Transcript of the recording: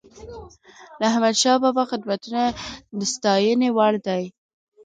د احمدشاه بابا خدمتونه د ستايني وړ دي.